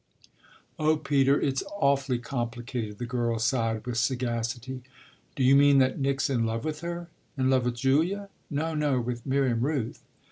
"Oh Peter, it's awfully complicated!" the girl sighed with sagacity. "Do you mean that Nick's in love with her?" "In love with Julia?" "No, no, with Miriam Rooth."